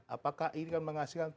apakah ini akan menghasilkan